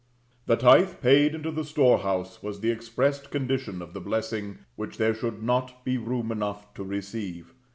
The tithe paid into the storehouse was the expressed condition of the blessing which there should not be room enough to receive.